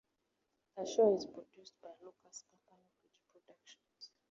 The show is produced by Lucas' company Greedy Productions.